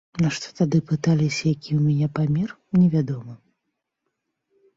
Нашто тады пыталіся, які ў мяне памер, невядома.